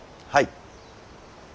はい。